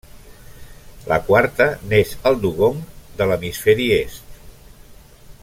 La quarta n'és el dugong de l'hemisferi est.